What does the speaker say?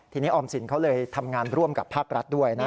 ทีนี้ออมสินเขาเลยทำงานร่วมกับภาครัฐด้วยนะ